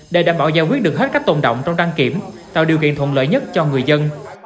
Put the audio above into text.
để đảm bảo giải quyết được hết các tồn động trong đăng kiểm tạo điều kiện thuận lợi nhất cho người dân